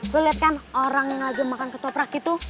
lo liat kan orang yang aja makan ketoprak gitu